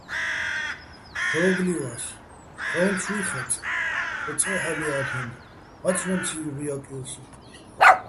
ჰ̦ო́გო̆ ლივა́ს, ჰ̦ო́ჼ ცუჲ ხაწე̆, ჰ̦ო წეჰ̦ალჲა́ლ'ენო̆, მაცლო́მციჼ ჲუღჲა́კჲო სო!